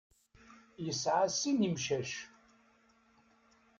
Yesεa sin imcac.